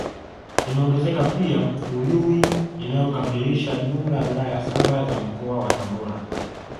Inaongezeka pia Uyui inayoikamilisha jumla ya wilaya saba za Mkoa wa Tabora